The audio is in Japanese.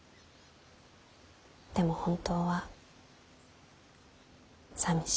でも本当はさみしい。